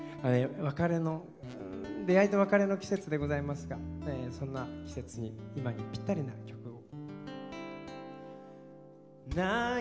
出会いと別れの季節でございますが、そんな季節に今にぴったりな曲を。